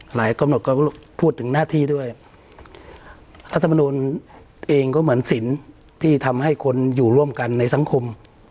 กำหนดก็พูดถึงหน้าที่ด้วยรัฐมนุนเองก็เหมือนสินที่ทำให้คนอยู่ร่วมกันในสังคม